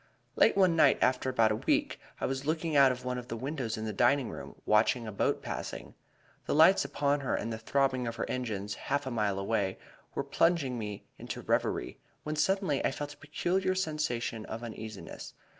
"Late one night, after about a week, I was looking out of one of the windows in the dining room, watching a boat passing. The lights upon her and the throbbing of her engines, half a mile away, were plunging me into a reverie, when suddenly I felt a peculiar sensation of uneasiness.